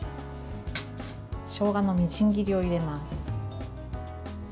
しょうがのみじん切りを入れます。